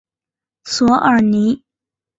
索尔尼。